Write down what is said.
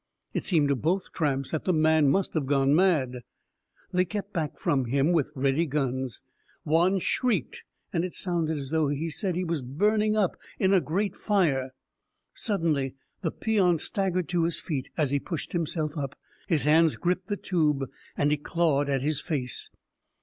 It seemed to both tramps that the man must have gone mad. They kept back from him, with ready guns. Juan shrieked, and it sounded as though he said he was burning up, in a great fire. Suddenly the peon staggered to his feet; as he pushed himself up, his hands gripped the tube, and he clawed at his face.